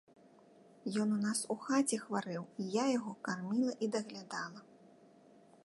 Ён у нас у хаце хварэў, і я яго карміла і даглядала.